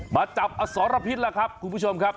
มาจับอสรพิษแล้วครับคุณผู้ชมครับ